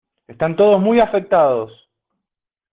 Están todos muy afectados.